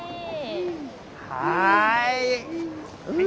はい。